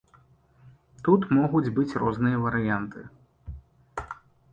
Тут могуць быць розныя варыянты.